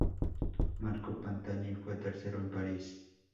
Marco Pantani fue tercero en París.